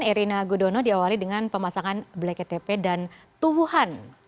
erina gudono diawali dengan pemasangan bleket tp dan tubuhan